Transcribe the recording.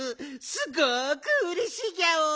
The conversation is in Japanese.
すごくうれしいギャオ。